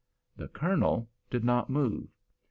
The Colonel did not move.